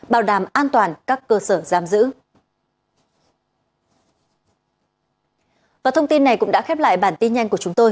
bảo đảm an toàn các cơ sở giam giữ